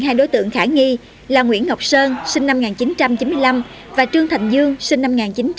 hai đối tượng khả nghi là nguyễn ngọc sơn sinh năm một nghìn chín trăm chín mươi năm và trương thành dương sinh năm một nghìn chín trăm chín mươi